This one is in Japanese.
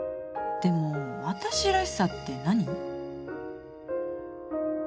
でも私らしさって何？